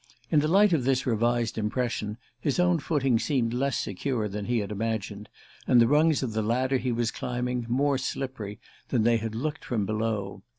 In the light of this revised impression, his own footing seemed less secure than he had imagined, and the rungs of the ladder he was climbing more slippery than they had looked from below.